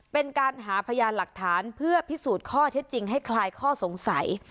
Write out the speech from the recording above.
เป็นการหาพยานหลักฐานเพื่อพิสูจน์ข้อเท็จจริงให้คลายข้อสงสัย